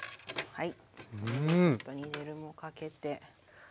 はい。